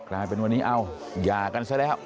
กลายเป็นวันนี้เอ้าหย่ากันซะแล้ว